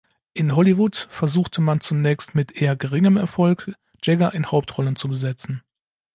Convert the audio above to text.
In Hollywood versuchte man zunächst mit eher geringem Erfolg, Jagger in Hauptrollen zu besetzen.